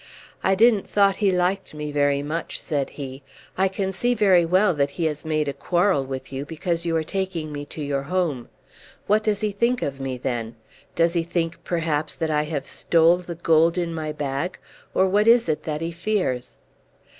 "I didn't thought he liked me very much," said he. "I can see very well that he has made a quarrel with you because you are taking me to your home. What does he think of me then? Does he think perhaps that I have stole the gold in my bag, or what is it that he fears?"